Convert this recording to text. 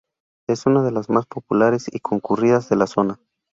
Es una de las más populares y concurridas de la zona.